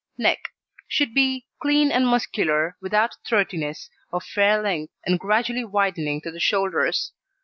NECK Should be clean and muscular, without throatiness, of fair length, and gradually widening to the shoulders.